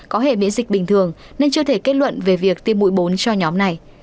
có hệ miễn dịch bình thường nên chưa thể kết luận về việc tiêm mũi bốn cho nhóm này